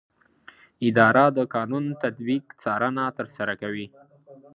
اداره د قانون د تطبیق څارنه ترسره کوي.